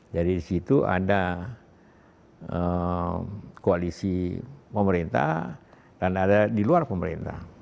jadi disitu ada koalisi pemerintah dan ada di luar pemerintah